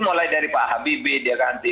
mulai dari pak habibie dia ganti